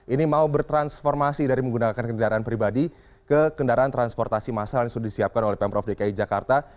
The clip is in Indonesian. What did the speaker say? ini mau bertransformasi dari menggunakan kendaraan pribadi ke kendaraan transportasi masal yang sudah disiapkan oleh pemprov dki jakarta